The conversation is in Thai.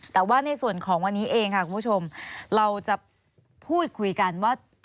แต่ว่าในส่วนของวันนี้เองค่ะคุณผู้ชมเราจะพูดคุยกันว่า